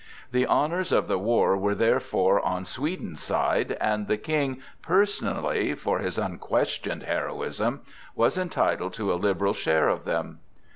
The honors of the war were therefore on Sweden's side, and the King personally, for his unquestioned heroism, was entitled to a liberal share of them.